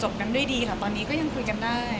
กันด้วยดีค่ะตอนนี้ก็ยังคุยกันได้